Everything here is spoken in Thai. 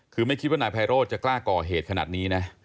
คือไม่คิดว่านายไพโรธจะกล้าก่อเหตุขนาดนี้นะ